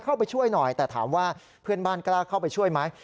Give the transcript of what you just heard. เข้าไปช่วยหน่อยแต่ถามว่าเพื่อนบ้านกล้าเข้าไปช่วยไหม